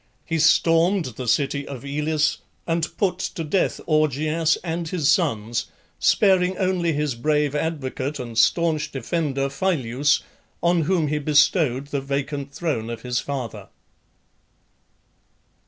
He stormed the city of Elis and put to death Augeas and his sons, sparing only his brave advocate and staunch defender Phyleus, on whom he bestowed the vacant throne of his father.